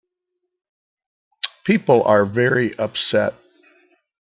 People are very upset.